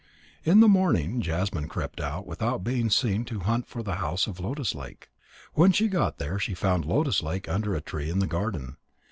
In the morning Jasmine crept out without being seen to hunt for the house of Lotus lake. When she got there, she found Lotus lake under a tree in the garden.